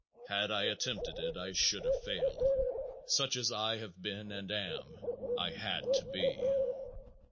Had I attempted it I should have failed. Such as I have been and am, I had to be.